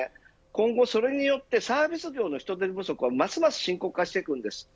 今後もそれによってサービス業の人手不足がますます深刻化していくんです。